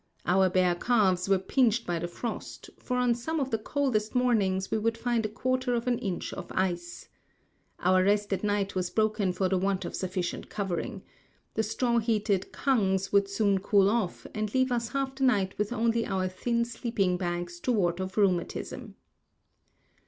Our bare calves were pinched by the frost, for on some of the coldest mornings we would find a quarter of an inch of ice. Our rest at night was broken for the want of sufficient covering. The straw heated kangs would soon cool off, and leave us half the night with only our thin sleeping bags to ward off rheumatism.